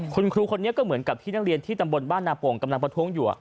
คุณครูคนนี้ก็เหมือนกับที่นักเรียนที่ตำบลบ้านนาโป่งกำลังประท้วงอยู่